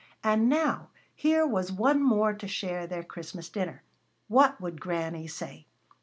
And now here was one more to share their Christmas dinner. What would Granny say!